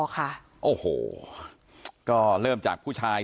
ก็เริ่มจากผู้ชาย